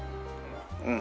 うん。